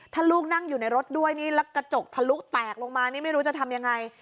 ถ้าลูกนั่งอยู่ในรถด้วยนี่แล้วกระจกทะลุแตกลงมานี่ไม่รู้จะทำยังไง